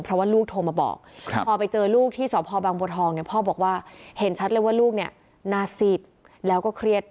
เพราะว่าลูกโทรมาบอกพอไปเจอลูกที่สพบางบัวทองเนี่ยพ่อบอกว่าเห็นชัดเลยว่าลูกเนี่ยน่าซีดแล้วก็เครียด